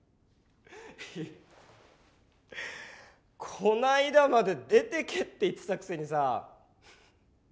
こないだまで出てけって言ってたくせにさ。